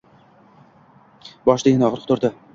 Boshida yana og‘riq turdi.